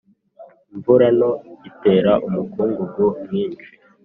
imvura nto itera umukungugu mwinshi.